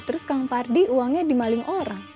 terus kang pardi uangnya dimaling orang